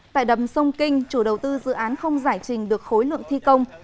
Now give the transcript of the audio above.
tại đầm sông kinh chủ đầu tư dự án không giải trình được khối lượng thi công